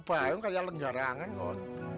bayang kayak lenjarangan kok